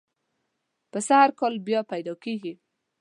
پسه هر کال بیا پیدا کېږي.